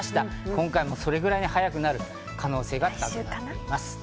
今回もそれぐらい早くなる可能性が出ています。